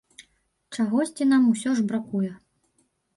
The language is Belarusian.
Чагосьці нам усё ж бракуе.